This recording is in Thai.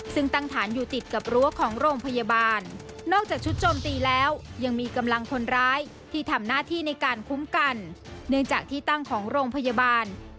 ซึ่งตั้งฐานอยู่ติดกับรั้วของโรงพยาบาล